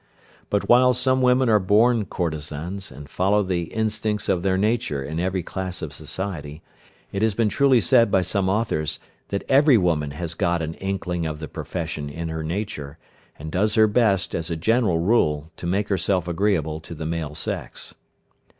But while some women are born courtesans, and follow the instincts of their nature in every class of society, it has been truly said by some authors that every woman has got an inkling of the profession in her nature, and does her best, as a general rule, to make herself agreeable to the male sex.